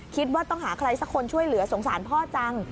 คิดว่าต้องหาใครสักคนช่วยเหลือสงสารพ่อจัง